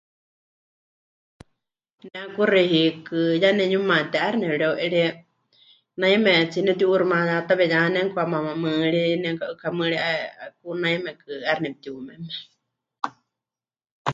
Ne kuxi hiikɨ ya nemɨyumaté 'aixɨ nepɨreu'erie, naimetsie nepɨti'uuximayátawe ya nemɨkamamamɨɨri, nemɨka'ɨkamɨɨri 'aku naimekɨ 'aixɨ nepɨtiumeme.